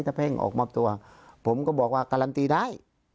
ถ้าเพ่งออกมอบตัวผมก็บอกว่าการันตีได้